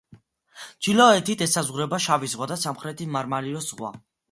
ჩრდილოეთით ესაზღვრება შავი ზღვა და სამხრეთით მარმარილოს ზღვა.